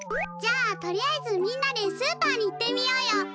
じゃあとりあえずみんなでスーパーに行ってみようよ。